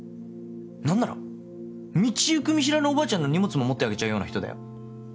何なら道行く見知らぬおばあちゃんの荷物も持ってあげちゃうような人だよ？